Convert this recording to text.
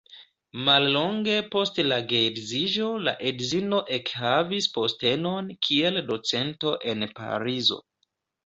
Mallonge post la geedziĝo la edzino ekhavis postenon kiel docento en Parizo.